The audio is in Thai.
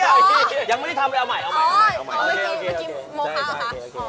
โอเคโอเคโอเค